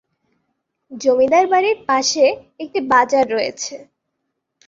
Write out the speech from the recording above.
জমিদার বাড়ির পাশে একটি বাজার রয়েছে।